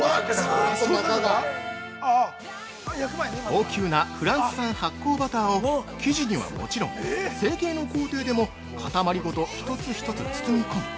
◆高級なフランス産発酵バターを生地にはもちろん成形の工程でも塊ごと一つ一つ包み込み